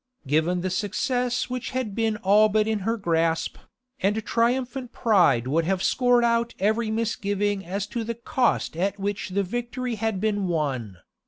Given the success which had been all but in her grasp, and triumphant pride would have scored out every misgiving as to the cost at which the victory had been won.